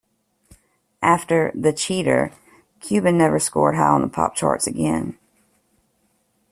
After "The Cheater," Kuban never scored high on the pop charts again.